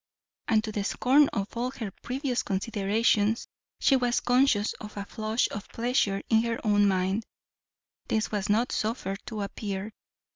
And, to the scorn of all her previous considerations, she was conscious of a flush of pleasure in her own mind. This was not suffered to appear.